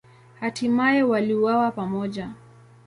Hatimaye waliuawa pamoja.